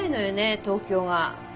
東京が。